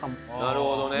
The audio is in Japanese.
なるほどね。